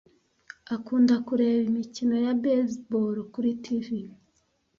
Akunda kureba imikino ya baseball kuri TV.